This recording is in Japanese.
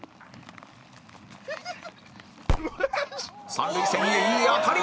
三塁線へいい当たり！